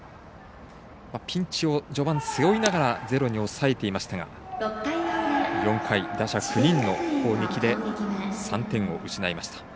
ピンチを序盤、背負いながら０に抑えていましたが４回、打者９人の攻撃で３点を失いました。